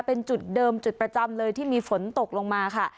เป็นจุดเดิมจุดประจำเลยที่มีฝนตกลงมาค่ะ